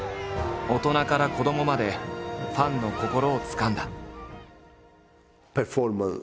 大人から子どもまでファンの心をつかんだ。